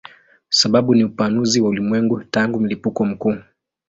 Sababu ni upanuzi wa ulimwengu tangu mlipuko mkuu.